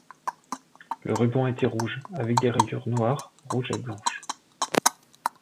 Le ruban était rouge avec des rayures noires, rouges et blanches.